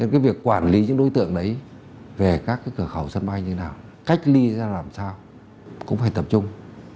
cái việc quản lý những đối tượng đấy về các cái cửa khẩu sân bay như thế nào cách ly ra làm sao cũng phải tập trung